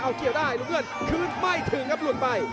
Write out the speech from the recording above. เอาเกี่ยวได้ลูกเงินคืนไม่ถึงครับหลุดไป